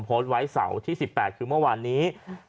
โพสต์ไว้เสาร์ที่๑๘คือเมื่อวานนี้